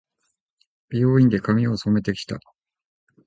美容院で、髪を染めて来た。